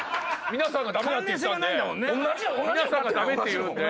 皆さんがダメって言うんで。